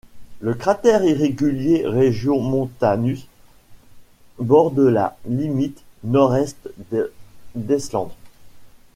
Le cratère irrégulier Regiomontanus borde la limite nord-est de Deslandres.